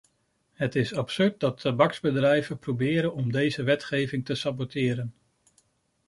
Het is absurd dat tabaksbedrijven proberen om deze wetgeving te saboteren.